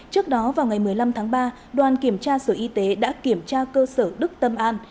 trước đó vào ngày một mươi năm tháng ba đoàn kiểm tra sở y tế đã kiểm tra cơ sở đức tâm an